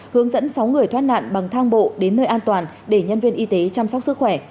hướng dẫn sáu người thoát nạn bằng thang bộ đến nơi an toàn để nhân viên y tế chăm sóc sức khỏe